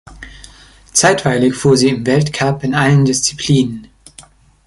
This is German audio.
Zeitweilig fuhr sie im Weltcup in allen Disziplinen.